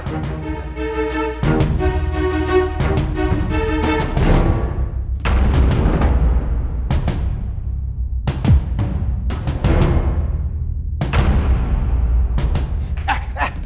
eh eh lu ngapain